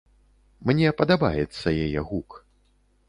Мне падабаецца яе гук.